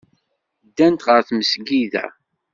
Ddant ɣer tmesgida.